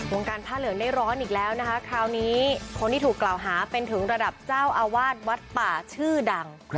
การผ้าเหลืองได้ร้อนอีกแล้วนะคะคราวนี้คนที่ถูกกล่าวหาเป็นถึงระดับเจ้าอาวาสวัดป่าชื่อดัง